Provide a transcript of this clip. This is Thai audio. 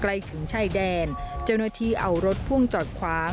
ถึงชายแดนเจ้าหน้าที่เอารถพ่วงจอดขวาง